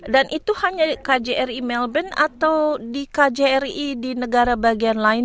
dan itu hanya kjri melbourne atau di kjri di negara bagian lain